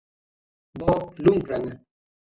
Bo Lundgren